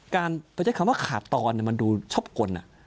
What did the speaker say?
การประเศษคำว่าขาดตอนเนี่ยมันดูชอบกล